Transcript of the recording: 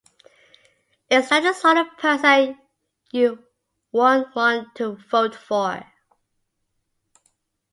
Is that the sort of person you would want to vote for?